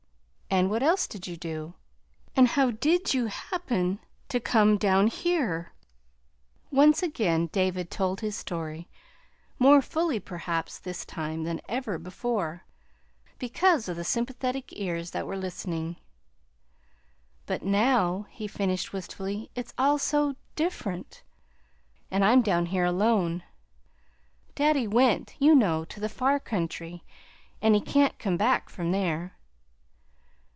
"And what else did you do? and how did you happen to come down here?" Once again David told his story, more fully, perhaps, this time than ever before, because of the sympathetic ears that were listening. "But now" he finished wistfully, "it's all, so different, and I'm down here alone. Daddy went, you know, to the far country; and he can't come back from there."